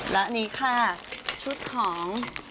และนี่ค่ะชุดของ